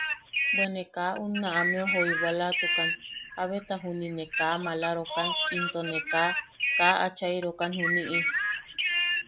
Bwe ne kaa unna ameu joiwalatukan jabeta juniʼi ne kaa maalarokan into ne kaa... kaa achairokan juniʼi.